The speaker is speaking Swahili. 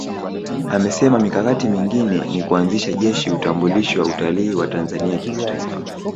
Amesema mikakati mingine ni kuanzisha Jeshi Utambulisho wa Utalii wa Tanzania Kimataifa